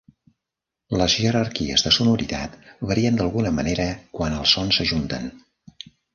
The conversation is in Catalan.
Les jerarquies de sonoritat varien d"alguna manera, quan els sons s"ajunten.